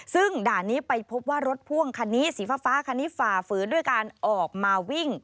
ซึ่งด่านนี้ไปพบว่ารถพ่วงคันนี้สีฟ้าคันนี้ฝ่าฝืนด้วยการออกมาวิ่ง